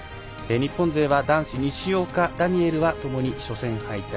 日本勢は西岡、ダニエルはともに初戦敗退。